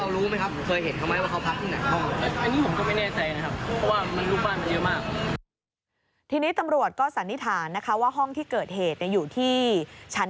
อ่ะอันนี้ผมจะมีว่ามีปลามาเยอะมากที่มีตำรวจก็สานนิษฐานนะคะว่าห้องที่เกิดเหตุยังอยู่ที่ชั้น